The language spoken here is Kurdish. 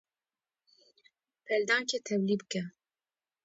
peldankê tevlî bike.